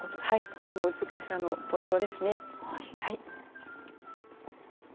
これも美しさのポイントですね。